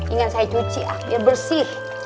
inget saya cuci ah biar bersih